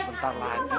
susah ngomong bener